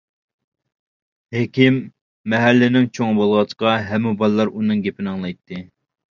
ھېكىم مەھەللىنىڭ چوڭى بولغاچقا ھەممە بالىلار ئۇنىڭ گېپىنى ئاڭلايتتى.